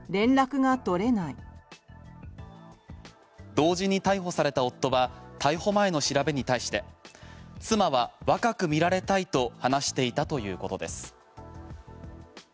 同時に逮捕された夫は逮捕前の調べに対して妻は若く見られたいと話していたということです。